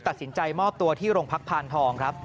ตัดสินใจมอบตัวที่โรงพักพานทองครับ